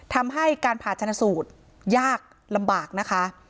ทำให้การผ่าชนสูตรยากลำบากนะคะ